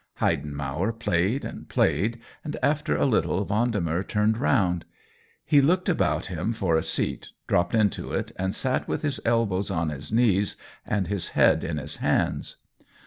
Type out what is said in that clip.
Heiden mauer played and played, and after a little Vendemer turned round ; he looked about him for a seat, dropped into it, and sat with his elbows on his knees and his head in his hands.